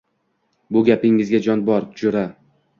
Bu gapingizda jon bor, jo‘ra